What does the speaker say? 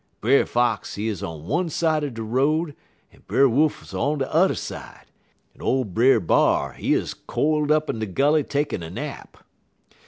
Brer Fox, he 'uz on one side er de road, en Brer Wolf 'uz on de t'er side; en ole Brer B'ar he 'uz quiled up in de gully takin' a nap.